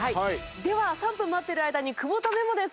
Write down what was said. では３分待ってる間に久保田メモです。